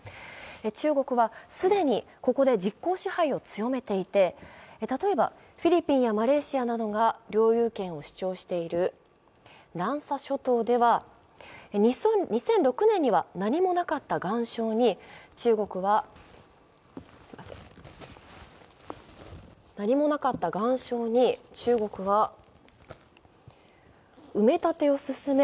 中国は既にここで実効支配を強めていて、例えばフィリピンやマレーシアなどが領有権を主張している南沙諸島では２００６年には何もなかった岩礁に中国は埋め立てを進め